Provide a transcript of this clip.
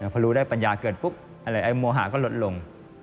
พอรู้ได้ปัญญาเกิดปุ๊บโมหาก็ลดลง